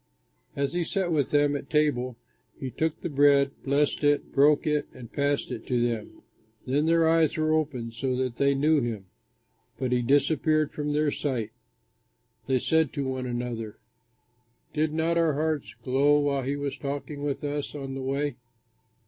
As he sat with them at table, he took the bread, blessed it, broke it, and passed it to them. Then their eyes were opened so that they knew him; but he disappeared from their sight. They said to one another, "Did not our hearts glow while he was talking with us on the way!"